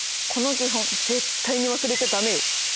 この基本絶対に忘れちゃ駄目よ！